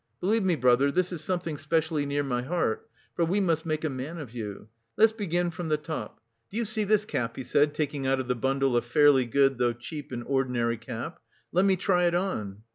"Believe me, brother, this is something specially near my heart. For we must make a man of you. Let's begin from the top. Do you see this cap?" he said, taking out of the bundle a fairly good though cheap and ordinary cap. "Let me try it on."